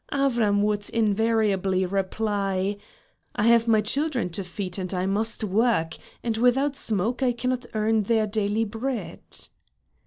Avram would invariably reply: "I have my children to feed and I must work; and without smoke I cannot earn their daily bread."